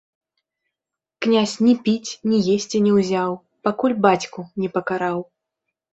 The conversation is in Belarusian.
Князь ні піць, ні есці не ўзяў, пакуль бацьку не пакараў.